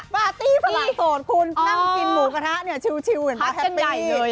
ปาร์ตี้สละโสดคุณนั่งกินหมูกระทะเนี่ยชิลเหมือนมาร์แฮปปี้